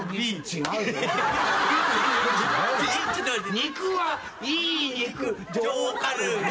肉はいい肉上カルビ。